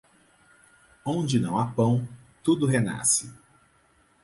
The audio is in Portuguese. Onde não há pão, tudo renasce.